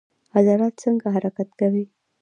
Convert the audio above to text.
عضلات څنګه حرکت کوي؟